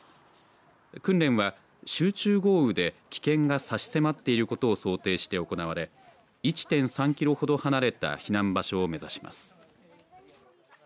訓練は集中豪雨で危険が差し迫っていることを想定して行われ１．３キロほど離れた避難場所を目指します。